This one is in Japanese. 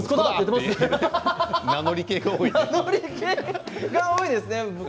名乗り系が多いよね。